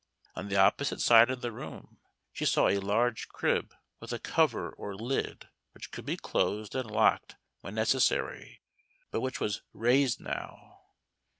On the opposite side of the room she saw a large crib with a cover or lid which could be closed and locked when necessary, but which was raised now.